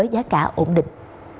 giá cả ổn định